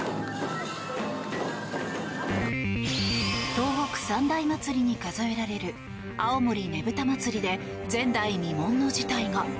東北三大祭りに数えられる青森ねぶた祭で前代未聞の事態が。